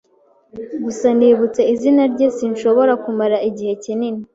Gusa nibutse izina rye, sinshobora kumara igihe kinini.